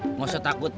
tidak usah takut